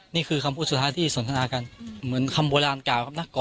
นี่คือคำพูดสุดท้ายที่สนทนากันเหมือนคำโบราณเก่าครับนะ